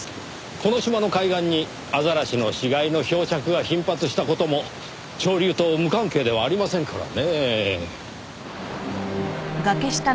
この島の海岸にアザラシの死骸の漂着が頻発した事も潮流と無関係ではありませんからねぇ。